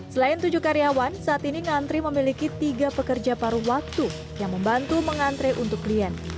selain tujuh karyawan saat ini ngantri memiliki tiga pekerja paruh waktu yang membantu mengantre untuk klien